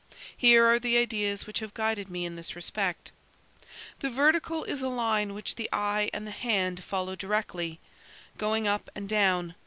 Here are the ideas which have guided me in this respect. "The vertical is a line which the eye and the hand follow directly, going up and down.